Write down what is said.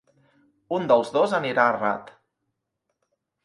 Un dels dos anirà errat.